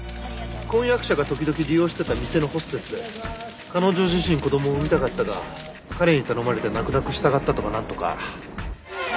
婚約者が時々利用していた店のホステスで彼女自身子供を産みたかったが彼に頼まれて泣く泣く従ったとかなんとか。